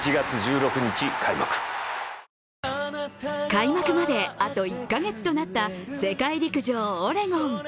開幕まであと１カ月となった世界陸上オレゴン。